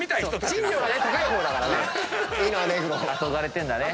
賃料が高い方だからね。